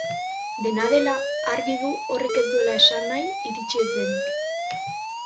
Dena dela, argi du horrek ez duela esan nahi iritsi ez denik.